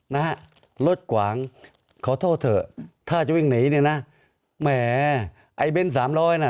นะฮะรถกวางขอโทษเถอะถ้าจะวิ่งหนีเนี่ยนะแหมไอ้เบ้นสามร้อยน่ะ